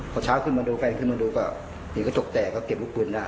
พอเช้าขึ้นมาดูกลายขึ้นมาดูก็เห็นก็จกแตะก็เสียงปืนได้